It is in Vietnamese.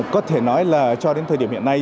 có thể nói là cho đến thời điểm hiện nay